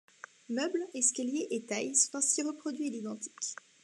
Meubles, escalier et taille sont ainsi reproduits à l'identique.